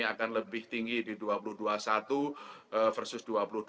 akan lebih tinggi di dua ribu dua puluh satu versus dua puluh dua